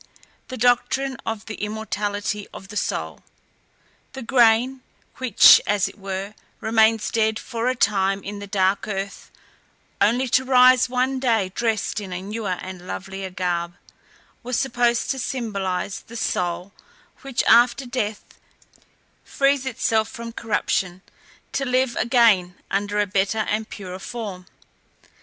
the doctrine of the immortality of the soul. The grain, which, as it were, remains dead for a time in the dark earth, only to rise one day dressed in a newer and lovelier garb, was supposed to symbolize the soul, which, after death, frees itself from corruption, to live again under a better and purer form.